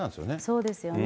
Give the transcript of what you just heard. そうですよね。